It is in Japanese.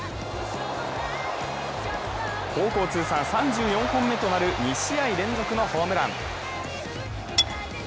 高校通算３４本目となる２試合連続のホームラン。